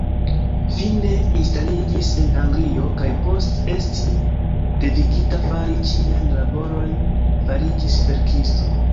Fine instaliĝis en Anglio, kaj post esti devigita fari ĉiajn laboroj fariĝis verkisto.